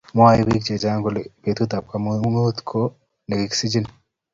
Mwoe bik che chang kole betut ab kamanut ko ne kikisichei